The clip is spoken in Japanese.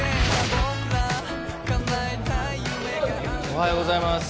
おはようございます。